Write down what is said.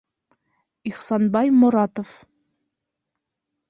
Ихсанбай Моратов.